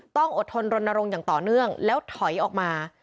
ต้องอดทนรณรงค์อย่างต่อเนื่องแล้วถอยออกมา